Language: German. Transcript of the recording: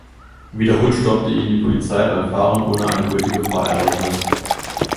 Wiederholt stoppte ihn die Polizei beim Fahren ohne eine gültige Fahrerlaubnis.